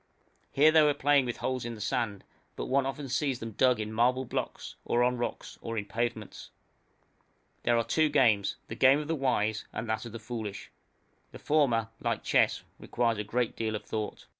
Here they were playing with holes in the sand, but one often sees them dug in marble blocks, or on rocks, or in pavements. There are two games the game of the wise and that of the foolish; the former, like chess, requires a good deal of thought.